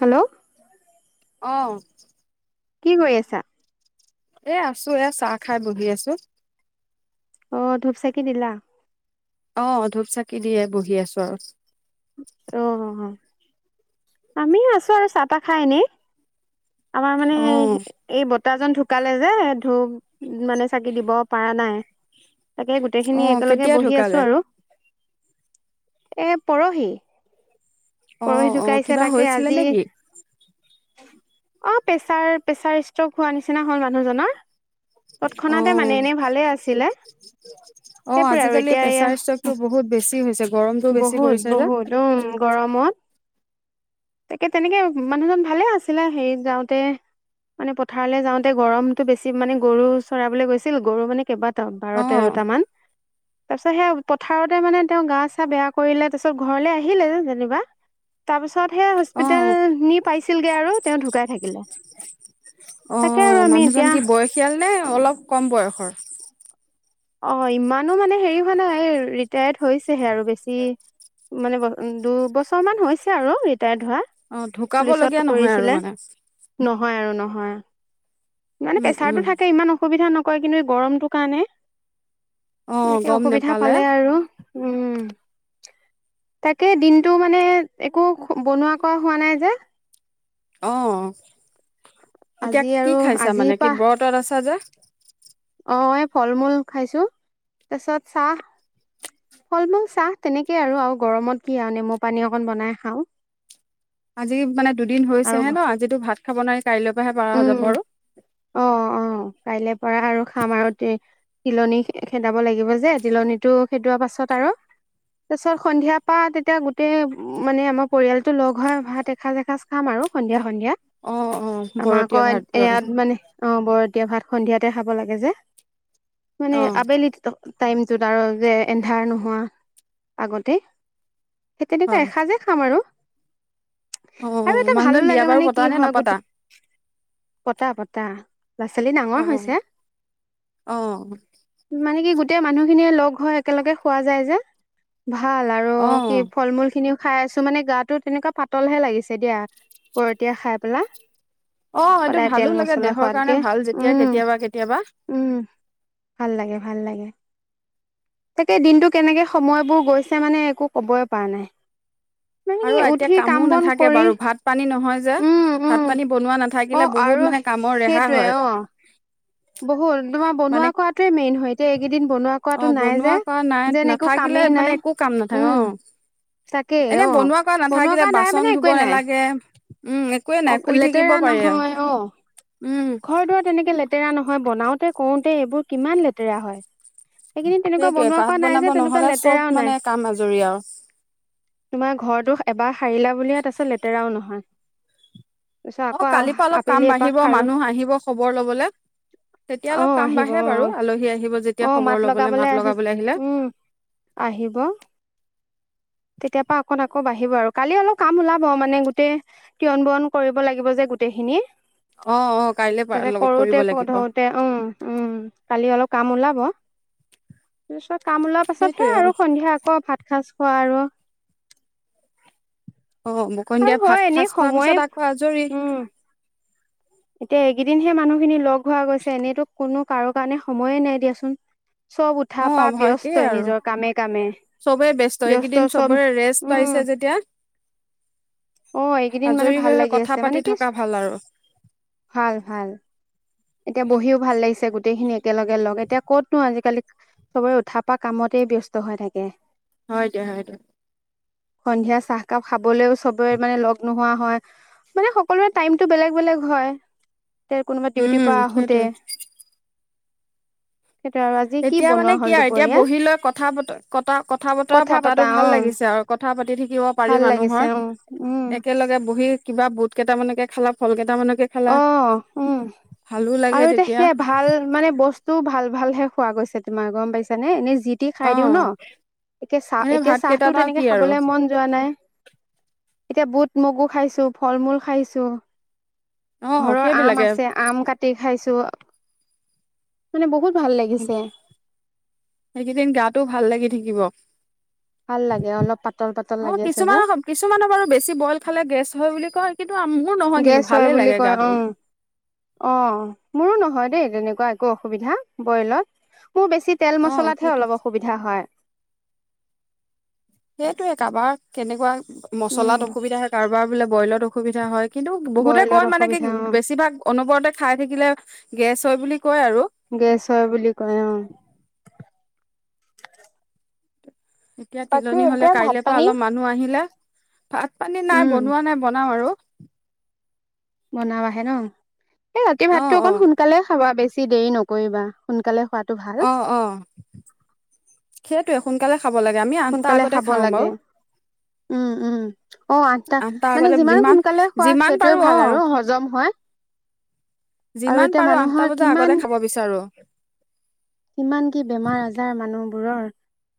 Hello অহ কি কয়ি আছা? এ, আছো এয়া চাহ খাই বহি আছো। অ', ধূপ, চাকি দিলা? অ', ধূপ চাকি দিয়ে, বহি আছো আৰু। অ', আমি আছো আৰু চাহ, তাহ খাই এনে। আমাৰ মানে অ এই, এই বৰ্তাজন ঢুকালে যে ধু, মানে চাকি দিব পাৰা নাই। তাকে অ গোটেইখিনি একেলগে কেতিয়া বহি আছো ঢুকালে আৰু। এ পৰহি। পৰহি অ' অ' ঢুকাইছে কিবা তাকে হৈছিলে আজি নেকি? অ' প্ৰেচাৰ প্ৰেচাৰ ষ্ট্ৰক হোৱা নিচিনা হল মানুহজনৰ। তৎক্ষণাতে অ' মানে এনেই ভালে আছিলে অ' সেইবোৰে আৰু আজিকালি এতিয়া এয়া প্ৰেচাৰ ষ্ট্ৰকটো বহুত বেছি হৈছে। গৰমটো বেছি বহুত পৰিছে যে বহুত উম গৰমত। তাকে তেনেকে মানুহজন ভালে আছিলে হেৰিত যাওঁতে মানে পথাৰলৈ যাওঁতে গৰমতটো বেছি মানে গৰু চৰাবলৈ গৈছিল গৰু মানে কেইবা বাৰ অ তেৰটা মান তাৰ পিছত সেই পথাৰতে মানে তেওঁ গাছ তাই বেয়া কৰিলে তাৰ পছত ঘৰলে আহিলে যেনিবা তাৰ পিছত তাতহে অ হস্পিতাল নি পাইছিলগে আৰু তেওঁ ঢুকাই থাকিল। [unintelligible] অ' মানুহজন কি বয়সীয়াল নে? অলপ কম বয়সৰ অ' ইমানো মানে হেৰি হোৱা নাই এই ৰিটায়াৰ্ড হৈছেহে আৰু বেছি মানে দুবছৰ মান হৈছে আৰু ৰিটায়াৰ্ড হোৱা। অ' পুলিচত ঢুকাবলগীয়া নহয় আৰু কৰিছিলে মানে। নহয় আৰু নহয়। মানে উম প্ৰেছাৰতটো উম থাকে ইমান অসুবিধা নক কয় কিন্তু এই গৰমটো কাৰণে অ এনেকে গম অসুবিধা নেপালে পালে আৰু উম তাকে দিনটো মানে একো বনোৱা কৰা হোৱা নাই যে। অ'। এতিয়া আজি আৰু কি খাইছা আজিৰ মানে কি পৰা ব্ৰতত আছা যে? অ' ফল মূল খাইছো তাৰপিছত চাহ। ফল মূল চাহ তেনেকে আৰু গৰমত কি আৰু নেমু পানী অকণ বনাই খাওঁ। আজি মানে দুদিন আৰু হৈছেহে ন আজিতো ভাত খাব নোৱাৰি? কাইলৈৰ পৰাহে পাৰা যাব উম আৰু অ অ কাইলে পৰা আৰু খাম আৰু দে তিলনী খেদাব লাগিব যে তিলনীটো খেদোৱা পাছত আৰু তাৰ পাছত সন্ধিয়াৰ পৰা তেতিয়া গোটেই মানে আমাৰ পৰিয়ালটো লগ হয় ভাত এসাঁজ এসাঁজ খাম আৰু সন্ধিয়া সন্ধিয়া অ অ আমাৰ আকৌ বৰতীয়া ভাতটো আৰু ইয়াত মানে অ বৰ এতিয়া ভাত সন্ধিয়াতে খাব লাগে যে মানে অ আবেলিত টাইমটোত আৰু যে এন্ধাৰ নোহোৱা আগতে সেই তেনেকুৱা হয় এসাঁজে খাম আৰু অ আৰু এটা ভালো মানুহজন লাগে বিয়া মানে বাৰু কি পতা নে হয় নপতা গোটেই পতা পতা ল'ৰা ছোৱালী অ ডাঙৰ হৈছে অ মানে কি এতিয়া মানুহখিনিয়ে লগ হৈ একেলগে খোৱা যায় যে ভাল আৰু অ কি ফল মূল খিনিও খাই আছো মানে গাটো তেনেকুৱা পাতলহে লাগিছে দিয়া পৰতিয়া খাই পেলাই অ এইটো সদায় ভালো তেল লাগে মছলা দেহৰ কাৰণে খোৱাতকে ভাল যেতিয়া উম কেতিয়াবা কেতিয়াবা উম ভাল লাগে ভাল লাগে তাকে দিনটো কেনেকে সময়বোৰ গৈছে মানে একো ক'বই পৰা নাই মানে কি আৰু এতিয়া উঠি কাম কামো বন নাথাকে কৰি বাৰু ভাত পানী নহয় যো উম উম ভাত পানী বনোৱা অ নাথাকিলে আৰু বহুত মানে কামৰ ৰেহা সেইটোৱে হয় অ বহুত তোমাৰ বনোৱা মানে কটোৱে মেইন হয় এতিয়া এইকেইদিন বনোৱা অ কৰাটো নাই যে বনোৱা কৰা নাই যেন একো নাথাকিলে কামেই নাই মানে একো কাম নাথাকে অ উম তাকেই এনে অ বনোৱা কৰা বনোৱা নাথাকিলে কৰা নাই মানে বাচন ধুব একোৱে নাই নালাগে উম একোৱে অ নাই শুই থাকিব লেতেৰা পাৰি আৰু নহয় অ উম ঘৰ দুৱাৰ তেনেকে লে লেতেৰা নহয় বনাওতে কৰোতে এইবোৰ কিমান লেতেৰা হয় সেইখিনি তেনেকুৱা সেইটোৱে বনোৱা ভাত কোৱা নাই বনাব যে তেনেকুৱা নহ'লে চব লেতেৰাও মানে নাই কাম আজৰি আৰু তোমাৰ ঘৰটোো এবাৰ সাৰিলা বুলি ইয়াত আছে লেতেৰাও নহয় তাৰপিছত অ আকৌ কালিৰ পৰা অলপ কাম আবেলি বাঢ়িব এপাক খাৰো মানুহ আহিব খবৰ লবলৈ তেতিয়া অ অলপ কাম আহিব বাঢ়ে অ বাৰু আলহী আহিব যেতিয়া অ মাত খবৰ ল'বলৈ লগাবলে মাত আহি লগাবলৈ আহিলে উম আহিব তেতিয়াৰ পৰা অকণ আকৌ বাঢ়িব আৰু কালি অলপ কাম ওলাব মানে গোটেই তিয়ন বোৰন কৰিব লাগিব যে গোটেইখিনি অ অ কাইলে তাতে কৰিব কৰোতে লাগিব ধোতে উম উম কালি অলপ কাম ওলাব তাৰপিছত কাম ওলোৱা পাছতহে আৰু সন্ধিয়া আকৌ ভাত খাজ পাৰ অ বুকন দিয়া ভাত খাজ খোৱাৰ পিছত আকৌ আজৰি উম এতিয়া এইকেইদিনহে মানুহখিনি লগ হোৱা গৈছে এনেইতো কোনো কাৰো কাৰণে সময়ে নাই দিয়াচোন। চব অ উঠা পা ভয়কেই ব্যস্তই আৰু নিজৰ কামে কামে চবেই ব্যস্ত এইকেইদিন চব, চবৰে ৰেষ্ট পাইছে উম। যেতিয়া অ', এইকেইদিন মানে আজৰি ভাল হৈ হৈ লাগি কথা আছে পাতি মানে কি থকা ভাল আৰু ভাল, ভাল। এতিয়া বহিও ভাল লাগিছে গোটেইখিনি একেলগে লগ এতিয়া ক'তনো আজিকালি সবৰে উঠ পা কামতে ব্যস্ত হৈ থাকে। হয় দিয়া, হয় দিয়া। সন্ধিয়া চাহকাপ খাবলৈও চবে মানে লগ নোহোৱা হয় মানে সকলোৰে টাইমটো বেলেগ বেলেগ হয়। তে কোনোবা ডিউটি উম, সেইটোৱে সেইটো আৰু আজি কি এতিয়া মানে বনোৱা কি হ'ল আৰু এতিয়া দুপৰীয়া বহি লৈ কথা ক কথা বতৰা পতাটো পতা ভাল অ লাগিছে আৰু কথা পাতি থাকিব পাৰি ভাল লাগিছে মানুহৰ অ উম একেলগে বহি কিবা বুট কেইটা মানে খালা ফল কেইটা অ', উম, ভালো লাগে আৰু এতিয়া তেতিয়া সেয়া ভাল মানে বস্তুও ভাল ভালহে খোৱা গৈছে তোমাৰ গম পাইছ নে এনে যিতি খাই অ দিও ন' এতিয়া চাহ এনে এতিয়া ভাত চাহটো কেইটাত আৰু তেনেকে কি আৰু খাবলে মন যোৱা নাই। এতিয়া বুট মগু খাইছো ফল-মূল খাইছো। অ ঘৰৰ আম সেইবিলাকে আছে, আম কাটি খাইছো। মানে বহুত ভাল লাগিছে সেইকেইদিন গাটো ভাল লাগি থাকিব। ভাল লাগে অলপ পাতল পাতল অ', লাগি আছে যে কিছুমানৰ ক কিছুমানৰ বাৰু বেছি ব'ইল খালে গেছ হয় বুলি কয় কি গেছ হয় বুলি কয় উম, অ', মোৰো নহয় দে। তেনেকুৱা একো অসুবিধা ব'ইলত মোৰ বেছি অ তেল-মছলাতহে সেইটো অলপ অসুবিধা হয়। সেইটোয়ে কাবাৰ কেনেকুৱা মছলাত উম অসুবিধা হয় কাৰোবাৰ বোলে ব'ইলত অসুবিধা হয়। কিন্তু বহুতে বইলত কয় মানে কি অসুবিধা অ বেছিভাগ অনবৰতে খাই থাকিলে গেছ হয় বুলি কয় আৰু গেছ হয় বুলি কয় অ'। এতিয়া বাকী তিলনি হ'লে এতিয়া ভাত কাইলৈ পৰা পানী অলপ মানুহ আহিলে ভাত পানী নাই উম বনোৱা নাই বনাও আৰু। বনাবাহে ন'। এই ৰাতি ভাতটো অ', অকণ অ', সোনকালে খাবা বেছি বেছি দেৰি নকৰিবা সোনকালে খোৱাত অ অ সেত সোনকালে খাব লাগে আমি আঠটা সোনকালে আগতে খাব খাওঁ লাগে বাৰু উম উম অ আঠটা মানে আগতে যিমান সোনকালে খোৱা যিমান সেইটোয়ে পাৰো ভাল অ', আৰু হজম হয় আৰু যিমান এতিয়া পাৰো মানুহৰ আঠটা বজা কিমান আগতে খাব বিচাৰো কিমান কি বেমাৰ আজাৰ মানুহবোৰৰ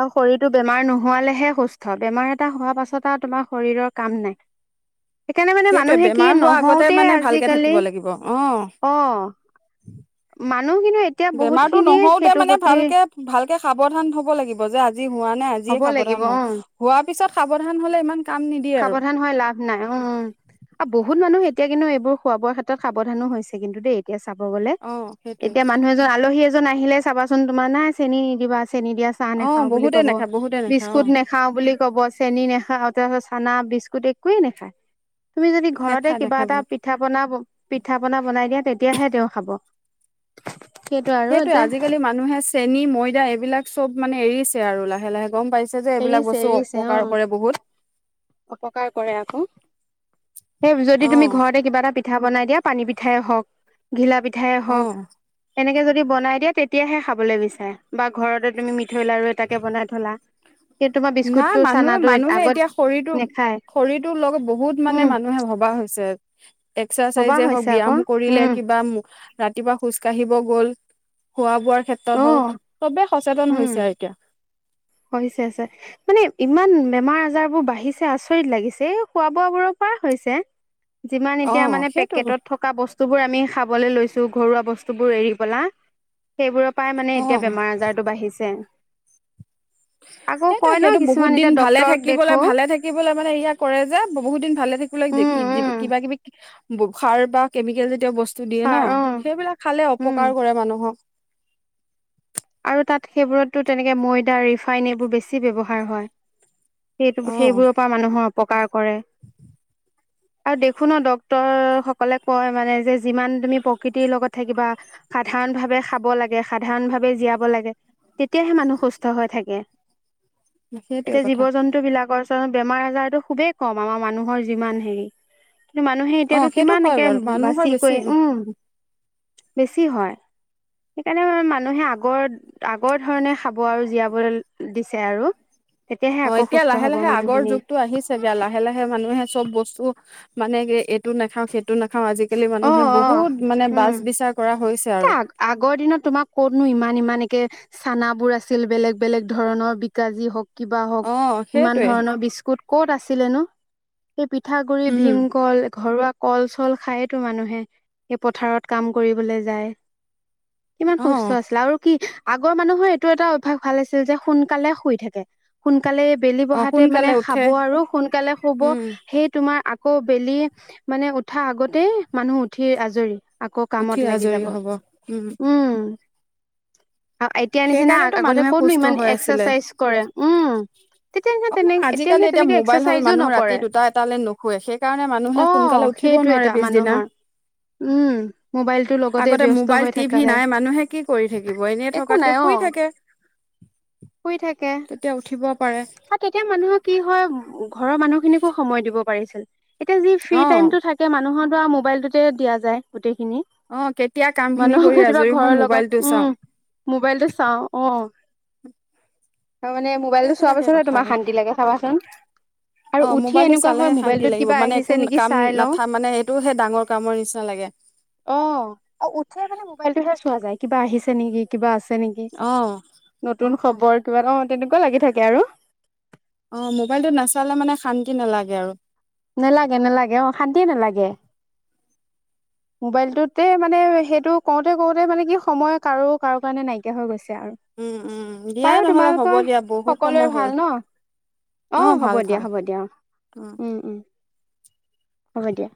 আৰু শৰীৰটো বেমাৰ নোহোৱালেহে সুস্থ বেমাৰ এটা হোৱাৰ পাছত আৰু তোমাৰ শৰীৰৰ কাম নাই সেইকাৰণে মানে সেইটোৱে মানুহে কি বেমাৰ হোৱাৰ আগতে নহওতে মানে ভালকে আজিকালি থাকিব লাগিব অ মান মানুহ কিন্তু এতিয়া বহুত খিনিয়ে তই সেইটোৰ মানে প্ৰতি ভালকে ভাল সাৱধান হ'ব লাগিব যে আজি হোৱা নাই আজিয়ে হ'ব সাৱধান লাগিব হ অ', হোৱা পিছত সাৱধান হলে ইমান কাম নিদি সাৱধান হয় লাভ নাই উম্ আও বহু মানুহ এতিয়া কিন্তু এইবোৰ খোৱা বোৱা ক্ষেতত সাৱধানো হৈছে কিন্তু দেই এতিয়া চাব গলে অ', সেইটোৱে এতিয়া মানুহ এজন আলহী জন আহিলে চাবাচোন তোমাৰ নাই চেনি নিদিবা চেনী দিয়া চাহ অ', নাখাও বুলি বহুতে ক'ব নাখায় বহুতে নাখায় বিস্কুত অ', নাখাও বুলি ক'ব চেনি নাখাও তাৰত চানা বিস্কুট একোৱে নেখায় তুমি যদি ঘৰতে নেখায় কিবা নেখায় এটা বহুত পিঠা পনা পিঠা পনা বনাই দিয়া তেতিয়াহে তেওঁ খাব সেইটো আৰু সেইটোয়ে এতিয়া আজিকালি মানুহে চেনী ময়দা এইবিলাক চব মানে এৰিছে আৰু লাহে লাহে গম পাই যে এইবিলাক এৰিছে বস্তু এৰিছে অ অপকাৰ কৰে বহুত অপকাৰ কৰে আকৌ সেই যদি তুমি ঘৰতে কিবা এটা পিঠা বনাই দিয়া পানী পিঠাই হওক ঘিলা পিঠা পিঠাই হওক এনেকে যদি বনাই দিয়ে তেতিয়াহে খাবলে বিচাৰে বা ঘৰতে তুমি মিঠৈ লাৰু এটাকে বনাই থলা সেই তোমাৰ না বিস্কুটটো মানুহে চানাটো মানুহে আগত এতিয়া শৰীৰটো নেখায় শৰীৰটোৰ লগত বহুত মানে উম, মানুহে ভবা হৈছে উ সবাহ এক্সাচাইজে হওক হৈছে ব্যায়াম আকৌ কৰিলে উম, কিবা ৰাতিপুৱা খোজ কাঢ়িব গল খোৱা বোৱা ক্ষেত্ৰত হওল অ', চবেই সচেতন উম, হৈছে এতিয়া। হৈছে হৈছে মানে ইমান বেমাৰ আজাৰবোৰ বাঢ়িছে আচৰিত লাগিছে এই খোৱা বোৱা বোৰৰ পৰা হৈছে। যিমান অ এতিয়া মানে সেইটো পেকেটত থকা বস্তু বোৰ আমি খাবলৈ লৈছো। ঘৰুৱা বস্তু বোৰ এৰি পেলায় সেইবোৰ পায় মানে অ এতিয়া বেমাৰ আজাৰতটো বাঢ়িছে। আকৌ সেইটোৱে কয় ন সেইটো বহুত কিছুমান দিন এতিয়া ভালে ডক্তৰক থাকিব দেখো লাগ ভালে থাকিব লাগ মানে এয়া কৰে যে বহুত দিন ভালে একো লাগ উম, উম, কিবা কিবি সাৰ বা কেমিকেলজাতীয় বস্তু। বস্তু দিয়ে ন সাৰ অ', সেইবিলাক খালে উম, অপকাৰ কৰে মানুহক। আৰু তাত সেইবোৰতো তেনেকে ময়দা ৰিফাইন এইবোৰ বেছি ব্যৱহাৰ হয়। সেই অ সেইবোৰৰ পৰা মানুহৰ অপকাৰ কৰে আৰু দেখোঁ ন ডক্তৰ সকলে কয় মানে যে যিমান তুমি প্ৰকৃতিৰ লগত থাকিবা সাধাৰণ ভাবে খাব লাগে সাধাৰণ জীয়াব লাগে তেতিয়াহে মানুহ সুস্থ হৈ থাকে সেইটোৱে এতিয়া জীৱ কথা জন্তু বিলাকৰ পৰ বেমাৰ আজাৰতো খুবেই কম আমাৰ মানুহৰ যিমান হেৰি কিন্তু মানুহে অ এতিয়াতো সেইটো কিমান হয় একে বাৰু মানুহৰ বাছি বেছি কৰি উহ বেছি হয় সেইকাৰণে মানুহে আ আগৰ আগৰ ধৰণে খাব আৰু জীয়াবলৈ দিছে আৰু তেতিয়াহে অ আকৌ এতিয়া সুস্থ লাহে হব লাহে আগৰ মানুহখিনি যুগটো আহিছে বা লাহে লাহে মানুহে চব বস্তু মানে কি এইটো নাখাওঁ সেই টো নাখাও আজিকালি অ মানুহে বহুত মানে বাচ বিচাৰ কৰা এ হৈছে আৰু আ আগৰ দিনত তোমাক কতনো ইমান ইমান একে চানা বোৰ আছিল বেলেগ বেলেগ ধৰণৰ বিকাজী হ কিবা হওক অ ইমান সেইটোৱে ধৰণৰ বিস্কুট ক'ত আছিলেনো । এই পিঠা গুৰি উম ভীমকল ঘৰুৱা কল চল খায়তো মানুহে স পথাৰত কাম কৰিবলে যায় । কিমান অ সুস্থ আছিলে আৰু কি আগৰ মানুহৰ এইটো এটা অভ্যাস ভাল আছিল যে সোনকালে শুই থাকে সোনকালে বেলি অ বহাতে মানে সোনকালে খাব উঠে আৰু সোনকালে শুব উম সেই তোমাৰ আকৌ বেলি মানে উঠা আগতেই মানুহ উঠি আজৰি আকৌ কামত জয়ী যাব হ'ব, উম উম । এতিয়া নিচিনা সেইকাৰণেতো আগতে মানুহে কতনো সুস্থ ইমান হৈ আছিলে। এক্সাৰচাইজ কৰে। উম তেতিয়া নিচিনা অ তেনে নহয় আজিকালি নিচিনা এতিয়া তেনেকে মোবাইল হল এক্সাৰচাইজো মানুহ ৰাতি নকৰে দুটা এটালৈ নুখুৱে। সেইকাৰণে মানুহে অ সোনকালে উঠিব সেইটো নোৱাৰে এটা পিছদিনা মানুহৰ উম । মোবাইলটোৰ লগতে আগতে ব্যস্ত মোবাইল হৈ থকা টিভি যায় নাই মানুহে কি কৰি থাকিব, এনেই একো নাই থকাতকে অ শুই থাকে। শুই থাকে তেতিয়া উঠিব পাৰে । আৰু তেতিয়া মানুহে কি হয় ঘৰৰ মানুহখিনিকো সময় দিব পাৰিছিল এতিয়া যি ফ্ৰী অ টাইম টো থাকে মানুহৰ পুৰা মোবাইলটোতে দিয়া যায় গোটেইখিনি অ কেতিয়া কাম খিনি মানুহক কৰি ৰাতি বা আজৰি হওঁ ঘৰৰ মোবাইলটো লগত, চাওঁ। উম। মোবাইলটো চাও, অহ তাৰ মানে মোবাইলটো চোৱাৰ সেইবিলাকে পিছতহে কথা তোমাৰ আৰু শান্তি লাগে চাবাচোন, আৰু অ উঠি মোবাইলটো এনেকুৱা হয় চালেহে শান্তি মোবাইলটোত লাগিব কিবা মানে একো আহিছে নেকি কাম চাই লওঁ। নাথা মানে এইটোহে ডাঙৰ কামৰ নিচিনা লাগে। অহ উঠাই মানে মোবাইলটোহে চোৱা যায় কিবা আহিছে নেকি, কিবা আছে নেকি, অ নতুন খবৰ কিবা অ তেনেকুৱা লাগি থাকে আৰু। অ মোবাইলটো নাচালে মানে শান্তি নালাগে আৰু। নেলাগে নেলাগে অ শান্তিয়ে নেলাগে। মোবাইলটোতে মানে সেইটো কওঁতে কওতে মানে কি সময় কাৰো কাৰো কাৰণে নাইকিয়া হৈ গৈছে। উম উম দিয়া বাৰু নহ'লে হ'ব তোমালোকৰ দিয়া বহুত সময় সকলোৰে হ'ল। ভাল ন? অ ভাল হ'ব দিয়া ভাল, হ'ব দিয়া অ, উম উম অ'ব দিয়া।